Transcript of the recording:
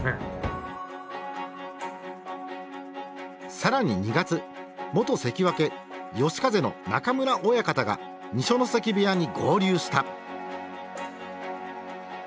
更に２月元関脇嘉風の中村親方が二所ノ関部屋に合流した。